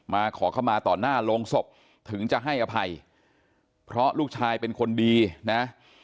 ขอเข้ามาต่อหน้าโรงศพถึงจะให้อภัยเพราะลูกชายเป็นคนดีนะ